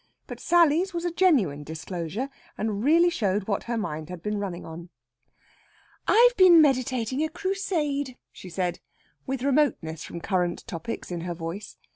But Sally's was a genuine disclosure, and really showed what her mind had been running on. "I've been meditating a Crusade," she said, with remoteness from current topics in her voice.